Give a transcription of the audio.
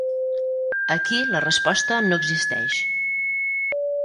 Aquí la resposta no existeix.